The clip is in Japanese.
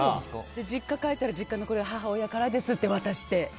実家帰ったら実家の母親からですって渡して。